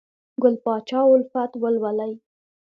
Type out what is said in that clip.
ګل پاچا الفت ولولئ!